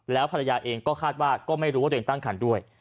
แล้วภรรยาเองก็คาดว่าก็ไม่รู้ว่าตัวเองตั้งคันด้วย